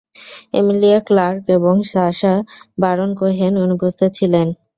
Emilia Clarke এবং Sacha Baron Cohen অনুপস্থিত ছিলেন।